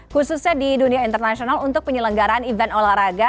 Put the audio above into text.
khususnya di dunia internasional untuk penyelenggaran event olahraga